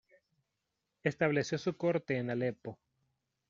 Estableció su corte en Aleppo.